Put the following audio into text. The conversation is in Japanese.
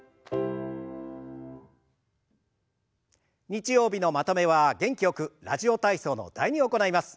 日曜日のまとめは元気よく「ラジオ体操」の「第２」を行います。